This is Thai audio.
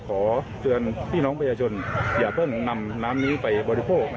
ขอเตือนพี่น้องประชาชนอย่าเพิ่งนำน้ำนี้ไปบริโภค